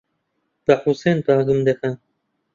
بە حوسێن بانگم دەکەن.